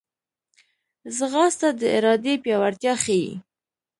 ځغاسته د ارادې پیاوړتیا ښيي